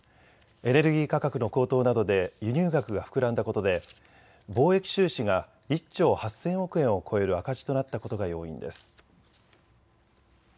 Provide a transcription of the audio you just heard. エネルギー価格の高騰などで輸入額が膨らんだことで貿易収支が１兆８０００億円を超える赤字となったことが要因です。